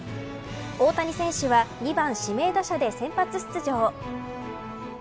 大谷選手は２番指名打者で先発出場。